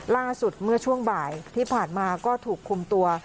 ล่าสุดเมื่อช่วงบ่ายที่ผ่านมาก็ถูกคุมตัว